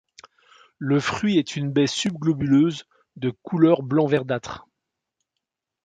Le fruit est une baie sub-globuleuse, de couleur blanc verdâtre.